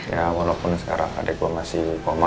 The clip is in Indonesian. ya walaupun sekarang adek gue masih koma